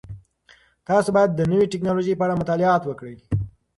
تاسو باید د نوې تکنالوژۍ په اړه مطالعه وکړئ.